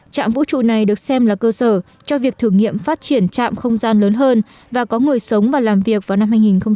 trạm vũ trụ này được xem là cơ sở cho việc thử nghiệm phát triển trạm không gian lớn hơn và có người sống và làm việc vào năm hai nghìn hai mươi